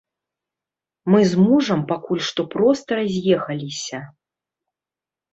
Мы з мужам пакуль што проста раз'ехаліся.